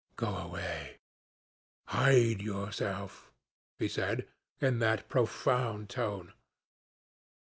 'Go away hide yourself,' he said, in that profound tone.